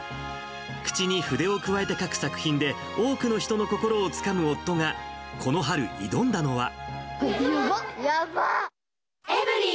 口に筆をくわえて書く作品で、多くの人の心をつかむ夫が、やばっ！